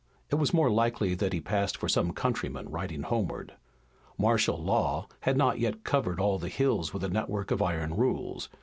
It was more than likely that he passed for some countryman riding homeward. Martial law had not yet covered all the hills with a network of iron rules.